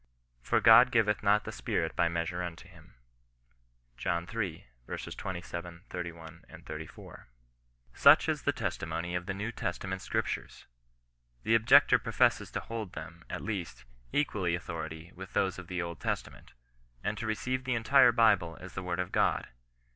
" For God giveth not the Spirit by mea sure unto him." John iii. 27, 31, 34. Such is the testimony of the New Testament Scrip tures. The objector professes to hold them, at least, equally authoritative with those of the Old Testament, and to receive the entire Bible as the word of God.